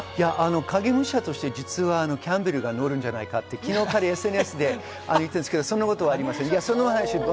影武者としてキャンベルが乗るんじゃないかってＳＮＳでありましたが、そんなことはありません。